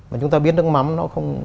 mà chúng ta biết nước mắm nó không